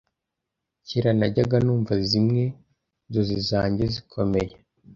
Cyera najyaga numva zimwe mu nzozi zanjye zikomeye